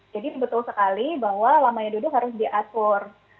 jadi betul sekali bahwa lamanya duduk harus diatur